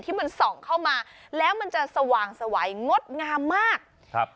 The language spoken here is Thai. ที่มันส่องเข้ามาแล้วมันจะสว่างสวัยงดงามมากครับ